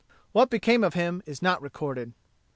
What became of him is not recorded.